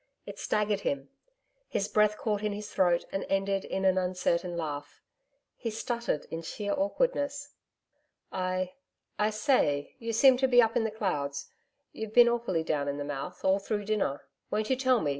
It staggered him. His breath caught in his throat and ended in an uncertain laugh. He stuttered in sheer awkwardness. 'I I say ... you seem to be up in the clouds. You've been awfully down in the mouth all through dinner. Won't you tell me?